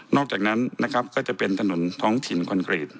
อกจากนั้นนะครับก็จะเป็นถนนท้องถิ่นคอนกรีต